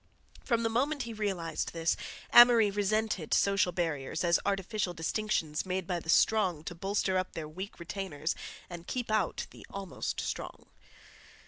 From the moment he realized this Amory resented social barriers as artificial distinctions made by the strong to bolster up their weak retainers and keep out the almost strong.